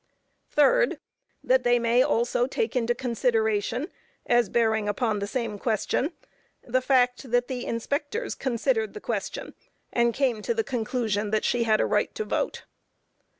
Third That they may also take into consideration, as bearing upon the same question, the fact that the inspectors considered the question, and came to the conclusion that she had a right to vote.